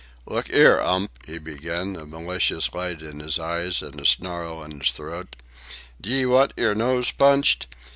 "Look 'ere, 'Ump," he began, a malicious light in his eyes and a snarl in his throat; "d'ye want yer nose punched?